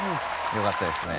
よかったですね。